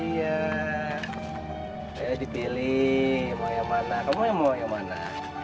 iya saya dipilih mau yang mana kamu yang mau yang mana